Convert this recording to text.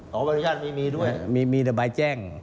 อ๋อดับรัญญาตมีด้วยมีแต่ใบแจ้ง